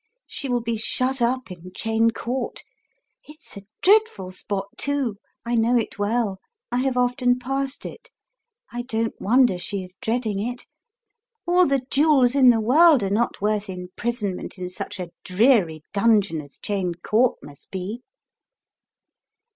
She will be shut up in Cheyne Court. It's a dreadful spot, too. I know it well. I have often passed it. I don't wonder she is dreading it. All the jewels in the world are cot worth imprisonment in such a dreary dungeon as Cheyne Court must be!"